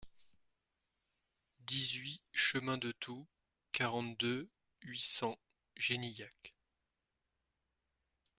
dix-huit chemin de Toux, quarante-deux, huit cents, Genilac